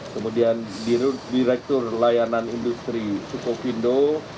kemudian direktur layanan industri joko widodo